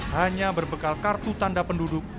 hanya berbekal kartu tanda penduduk